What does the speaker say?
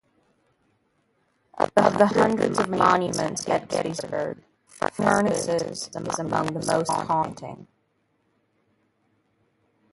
Of the hundreds of monuments at Gettysburg, Furness's is among the most haunting.